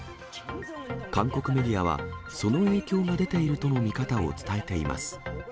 韓国メディアは、その影響が出ているとの見方を伝えています。